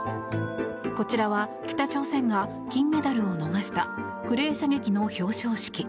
こちらは北朝鮮が金メダルを逃したクレー射撃の表彰式。